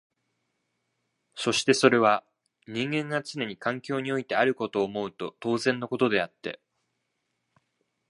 そしてそれは人間がつねに環境においてあることを思うと当然のことであって、